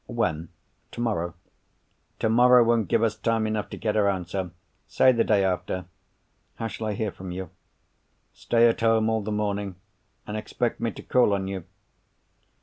"When? Tomorrow?" "Tomorrow won't give us time enough to get her answer. Say the day after." "How shall I hear from you?" "Stay at home all the morning and expect me to call on you."